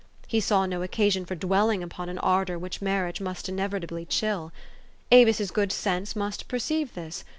He saw no occasion for dwelling upon an ardor which mar riage must inevitably chill. A vis's good sense must perceive this.